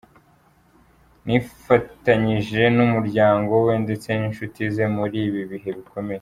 Nifatanyije n’umuryango we ndetse n’inshuti ze muri ibi bihe bikomeye.